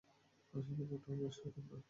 আসলে মোটেও সেরকম না।